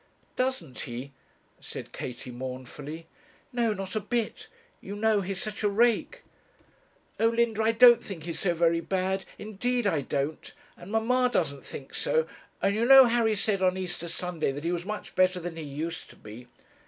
'Doesn't he?' said Katie, mournfully. 'No; not a bit. You know he's such a rake.' 'Oh! Linda; I don't think he's so very bad, indeed I don't; and mamma doesn't think so; and you know Harry said on Easter Sunday that he was much better than he used to be.'